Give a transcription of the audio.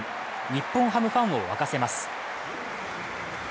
日本ハムファンを沸かせます。